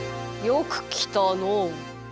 よくきたのう！